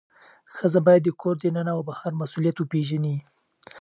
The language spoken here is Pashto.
ښځه باید د کور دننه او بهر مسؤلیت وپیژني.